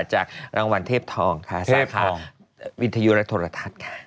จากรางวัลเทพทองค่ะสาขาวิทยุและโทรทัศน์ค่ะ